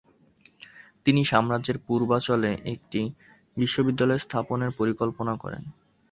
তিনি সাম্রাজ্যের পূর্বাঞ্চলে একটি বিশ্ববিদ্যালয় স্থাপনের পরিকল্পনা করেন।